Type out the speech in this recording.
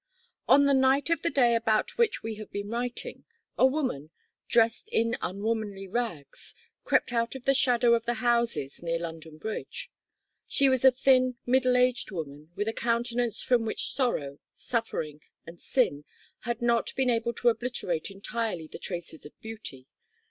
On the night of the day about which we have been writing, a woman, dressed in "unwomanly rags" crept out of the shadow of the houses near London Bridge. She was a thin, middle aged woman, with a countenance from which sorrow, suffering, and sin had not been able to obliterate entirely the traces of beauty.